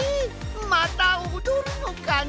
またおどるのかね！？